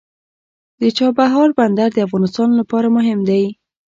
د چابهار بندر د افغانستان لپاره مهم دی.